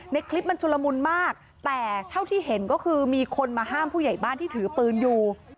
คลิปมันชุลมุนมากแต่เท่าที่เห็นก็คือมีคนมาห้ามผู้ใหญ่บ้านที่ถือปืนอยู่